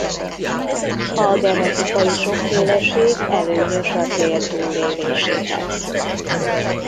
A genetikai sokféleség előnyös a tél túléléséhez.